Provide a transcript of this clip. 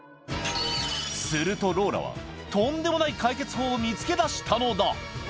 するとローラは、とんでもない解決法を見つけ出したのだ。